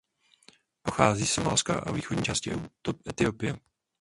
Pochází ze Somálska a východní části Etiopie.